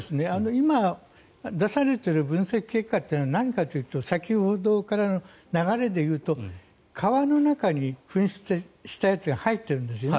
今、出されている分析結果というのは何かというと先ほどからの流れでいうと川の中に噴出したやつが入ってるんですね。